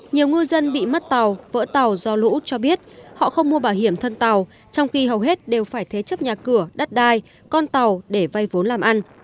nhiều ngư dân bị mất tàu vỡ tàu do lũ cho biết họ không mua bảo hiểm thân tàu trong khi hầu hết đều phải thế chấp nhà cửa đất đai con tàu để vay vốn làm ăn